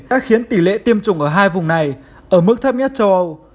đã khiến tỷ lệ tiêm chủng ở hai vùng này ở mức thấp nhất châu âu